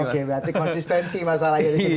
oke berarti konsistensi masalahnya disini